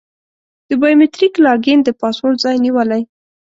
د بایو میتریک لاګین د پاسورډ ځای نیولی.